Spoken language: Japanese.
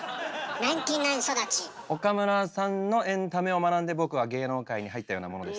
岡村さんのエンタメを学んで僕は芸能界に入ったようなものです。